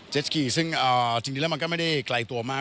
สกีซึ่งจริงแล้วมันก็ไม่ได้ไกลตัวมาก